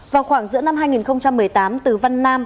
vào khoảng giữa năm hai nghìn một mươi tám từ văn nam